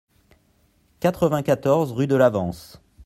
quatre-vingt-quatorze rue de l'Avance